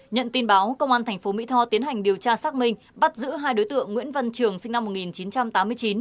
nhận tin báo công an tp mỹ tho tiến hành điều tra xác minh bắt giữ hai đối tượng nguyễn văn trường sinh năm một nghìn chín trăm tám mươi chín